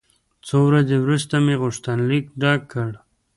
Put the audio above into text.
څو ورځې وروسته مې غوښتنلیک ډک کړ.